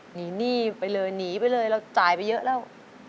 หนีหนี้ไปเลยหนีไปเลยเราจ่ายไปเยอะแล้ว